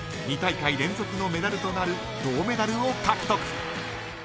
２大会連続のメダルとなる銅メダルを獲得。